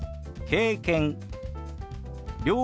「経験」。